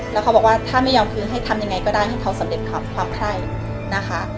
แล้วเขาบอกว่าถ้าไม่ยอมคืนให้ทำยังไงก็ได้ให้เขาสำเร็จความไคร่นะคะ